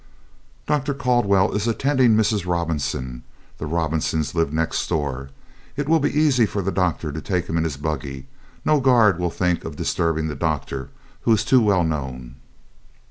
"Dr. Caldwell is attending Mrs. Robinson (the Robinsons lived next door); it will be easy for the doctor to take him in his buggy; no guard will think of disturbing the doctor, he is too well known."